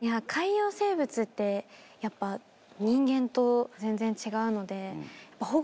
海洋生物ってやっぱ人間と全然違うので。